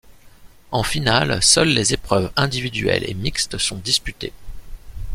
En finale, seul les épreuves individuelles et mixtes sont disputées.